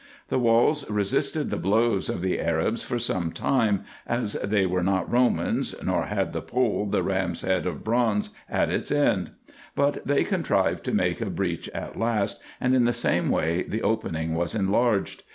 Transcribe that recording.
The walls resisted the blows of the Arabs for some time, as they were not Romans, nor had the pole the ram's head of bronze at its end ; but they contrived to make a breach at last, and in the same way the opening was enlarged.